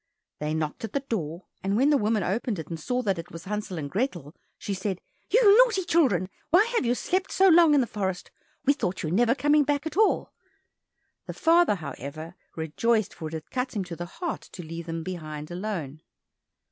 They knocked at the door, and when the woman opened it and saw that it was Hansel and Grethel, she said, "You naughty children, why have you slept so long in the forest?—we thought you were never coming back at all!" The father, however, rejoiced, for it had cut him to the heart to leave them behind alone.